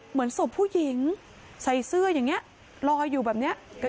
เหมือนศพผู้หญิงใส่เสื้ออย่างนี้ลอยอยู่แบบนี้